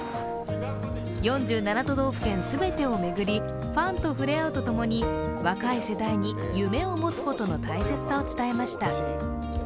４７都道府県全てを巡り、ファンと触れ合うと共に、若い世代にを持つことの大切さを伝えました。